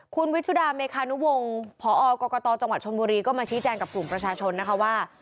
คุณวิชุดาเมคะนุวงค์พออกตจชลบุรีก็มาชี้แจงกับฝุ่มประชาชนนะคะว่า